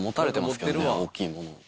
大きいものを。